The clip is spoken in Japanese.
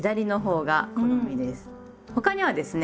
他にはですね